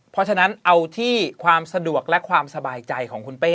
เพราะฉะนั้นเอาที่ความสะดวกและความสบายใจของคุณเป้